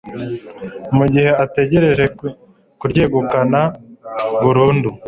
mu gihe ategereje kuryegukana burundu